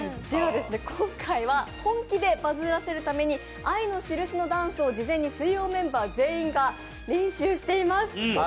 今回は本気でバズらせるために「愛のしるし」のダンスを事前に水曜メンバー全員が練習しています。